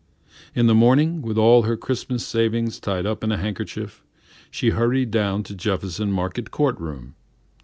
In the morning, with all her Christmas savings tied up in a handkerchief, she hurried down to Jefferson Market court room.